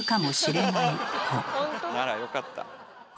ならよかった。